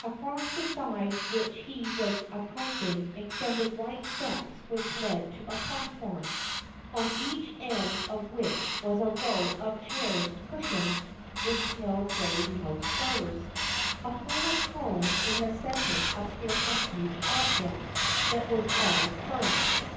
Across the side which he was approaching extended wide steps which led to a platform, on each end of which was a row of chairs cushioned with pale gray mouse furs. Upon a throne in the centre appeared a huge object that was all fur.